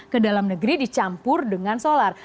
ke dalam negeri dicampur dengan solar